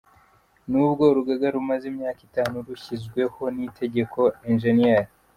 Nubwo urugaga rumaze imyaka itanu rushyizweho n’itegeko, Eng.